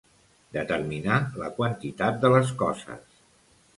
Determinar la quantitat de les coses.